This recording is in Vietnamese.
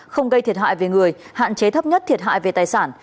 không gây thiệt hại về người hạn chế thấp nhất thiệt hại về tài sản